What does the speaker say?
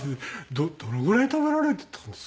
どのぐらい食べられてたんですか？